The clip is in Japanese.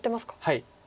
はい。